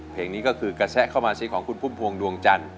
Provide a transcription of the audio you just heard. เพลงนี้ก็คือกระแสะเข้ามาสิของคุณพุ่มพวงดวงจันทร์